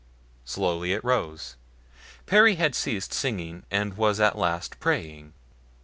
Slowly it rose. Perry had ceased singing and was at last praying.